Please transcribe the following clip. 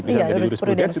bisa menjadi jurisprudensi